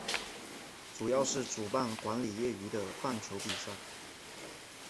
主要是主办管理业余的棒球比赛。